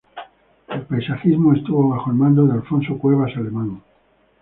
El paisajismo estuvo bajo el mando de Alfonso Cuevas Alemán.